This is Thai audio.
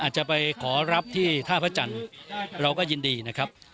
จะไปขอรับที่ท่าพระจันทร์เราก็ยินดีนะครับ